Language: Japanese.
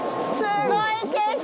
すごい景色！